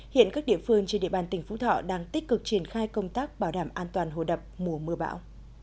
hiện các địa phương trên địa bàn tỉnh phú thọ đang tích cực triển khai công tác bảo đảm an toàn hồ đập mùa mưa bão